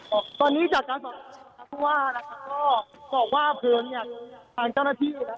บอกว่าเภิร์ธรรมจากเจ้าหน้าที่